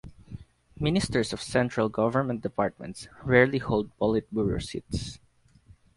Ministers of central government departments rarely hold Politburo seats.